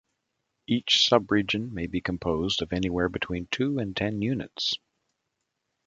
Each sub-region may be composed of anywhere between two and ten units.